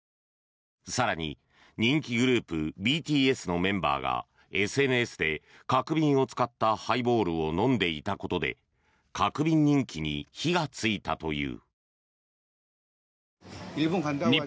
更に、人気グループＢＴＳのメンバーがＳＮＳで角瓶を使ったハイボールを飲んでいたことで角瓶人気に火がついたという。